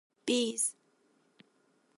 Bees.